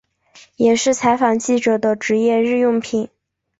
也是采访记者的职业日用品。